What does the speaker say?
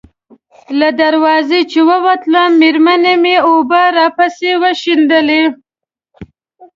له دروازې چې ووتم، مېرمنې مې اوبه راپسې وشیندلې.